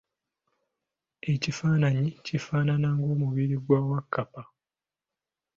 Ekifananyi kifaanana ng'omubiri gwa Wakkapa.